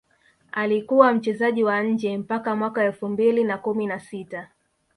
alikuwa mchezaji wa nje mpaka Mwaka elfu mbili na kumi na sita